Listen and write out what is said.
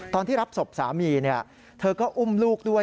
ตอนที่รับศพสามีเธอก็อุ้มลูกด้วย